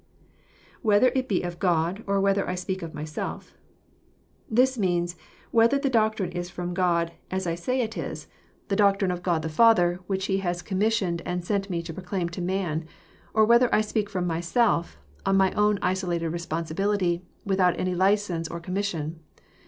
[ Whether it he of Gody or whether I speak of myself] This means <' whether the doctrine is from God, as I say it is, — the 20 EXFOsrroBT thoughts. doctrine of God the Father, which he has commissioned and sent me to proclaim to man,^ or whether I speak flrom myself, on my own isolated responsibility, without any license or com mission.